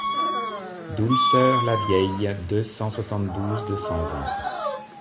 Doulceurs Lavieille deux cent soixante-douze deux cent vingt.